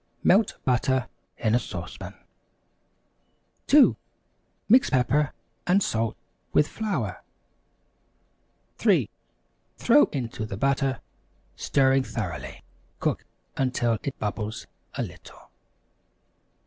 Melt butter in a sauce pan. 2. Mix pepper and salt with flour. 3. Throw into the butter, stirring thoroughly. Cook until it bubbles a little.